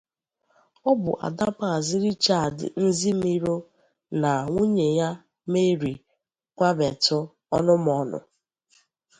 Ọ bụ Ada Maazị Richard Nzimiro na nwunye ya Mary Nwametu Onumonu.